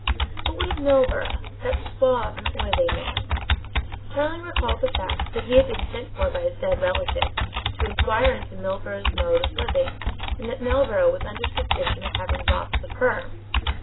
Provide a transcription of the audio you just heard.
But what of Milburgh, that suave and oily man? Tarling recalled the fact that he had been sent for by his dead relative to inquire into Milburgh's mode of living and that Milburgh was under suspicion of having robbed the firm.